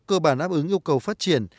cơ bản áp ứng yêu cầu phát triển